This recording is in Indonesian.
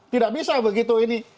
tidak bisa begitu ini